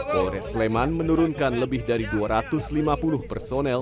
polres sleman menurunkan lebih dari dua ratus lima puluh personel